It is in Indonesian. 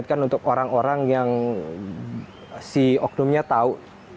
kan untuk orang orang yang si oknumnya tahu